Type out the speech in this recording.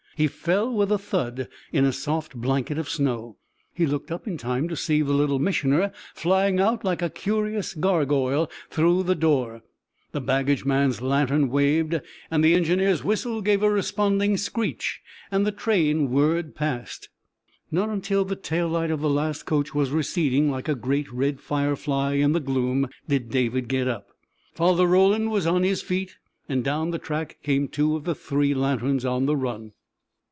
He fell with a thud in a soft blanket of snow. He looked up in time to see the Little Missioner flying out like a curious gargoyle through the door; the baggage man's lantern waved, the engineer's whistle gave a responding screech, and the train whirred past. Not until the tail light of the last coach was receding like a great red firefly in the gloom did David get up. Father Roland was on his feet, and down the track came two of the three lanterns on the run.